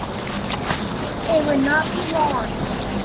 It would not be long.